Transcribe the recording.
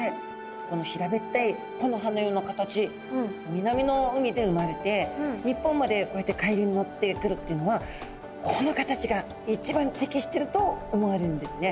この平べったい木の葉のような形南の海で生まれて日本までこうやって海流に乗ってくるっていうのはこの形が一番適していると思われるんですね。